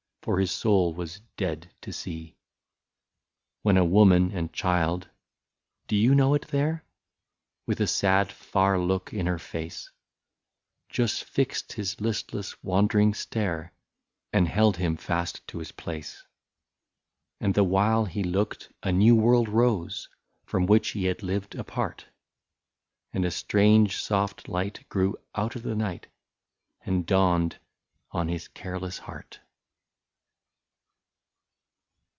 For his soul was dead to see. When a woman and child — do you know it there ? With a sad far look in her face, Just fixed his listless wandering stare. And held him fast to his place. 62 And the while he looked a new world rose, From which he had lived apart, And a strange soft light grew out of the night, And dawned on his careless heart.